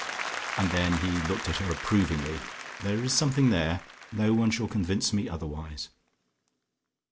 And then he looked at her approvingly. There is something there, no one shall convince me otherwise."